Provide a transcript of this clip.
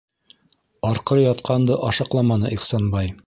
Арҡыры ятҡанды ашаҡламаны Ихсанбай.